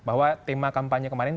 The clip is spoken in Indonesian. bahwa tema kampanye kemarin